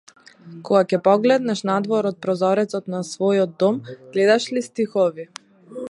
Кога ќе погледнеш надвор од прозорецот на својот дом, гледаш ли стихови?